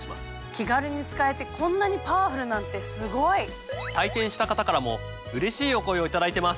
気軽に使えてこんなにパワフルなんてすごい！体験した方からもうれしいお声を頂いてます。